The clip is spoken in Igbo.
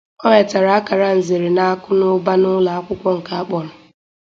O nwetara akara Nzere n' akụ na ụba n'ụlọ akwụkwọ nke akpọrọ.